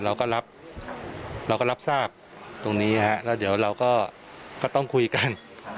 เราก็รับทราบตรงนี้แล้วเดี๋ยวเราก็ต้องคุยกัน